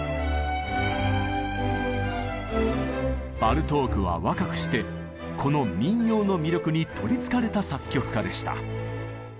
バルトークは若くしてこの民謡の魅力に取りつかれた作曲家でした。